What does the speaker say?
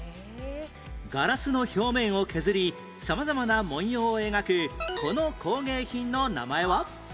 ガラスの表面を削り様々な文様を描くこの工芸品の名前は？